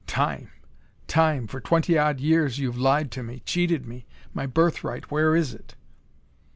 "Time! Time! For twenty odd years you've lied to me; cheated me. My birthright where is it?"